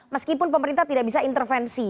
meskipun pemerintah tidak bisa intervensi